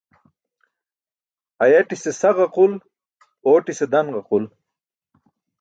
Ayatise sa ġaqul, ootise dan-ġaqul.